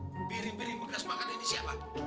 piring piring bekas makan ini siapa